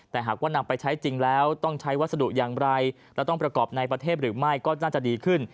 แต่หากว่านำไปใช้จริงแล้วต้องใช้วัสดุอย่างไรและต้องประกอบในประเทศหรือไม่ก็น่าจะดีขึ้น